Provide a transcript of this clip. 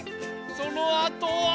そのあとは。